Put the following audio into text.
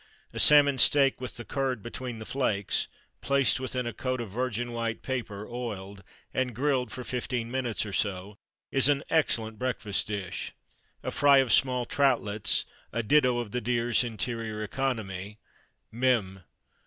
A Salmon Steak with the "curd" between the flakes, placed within a coat of virgin white paper (oiled) and grilled for 15 minutes or so, is an excellent breakfast dish. A fry of small troutlets, a ditto of the deer's interior economy _Mem.